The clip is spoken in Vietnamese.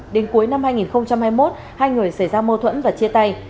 đến cuối năm hai nghìn hai mươi một hai người xảy ra mâu thuẫn và chia tay